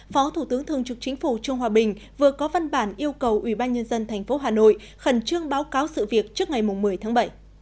phó thủ tướng thường trực chính phủ trung hòa bình vừa có văn bản yêu cầu ủy ban nhân dân tp hà nội khẩn trương báo cáo sự việc trước ngày một mươi tháng bảy